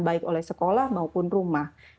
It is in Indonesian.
baik oleh sekolah maupun rumah